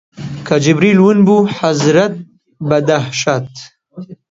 کە جیبریل ون بوو، حەزرەت بە دەهشەت